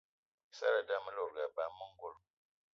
I seradé ame lòdgì eba eme ongolo.